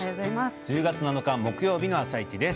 １０月７日木曜日の「あさイチ」です。